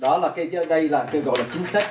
đó là cái gọi là chính sách